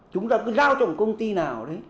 chúng ta cứ giao cho một công ty nào đấy